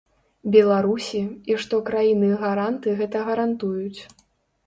Беларусі, і што краіны-гаранты гэта гарантуюць.